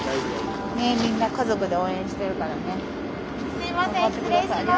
すいません失礼します。